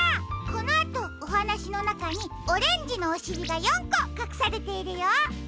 このあとおはなしのなかにオレンジのおしりが４こかくされているよ。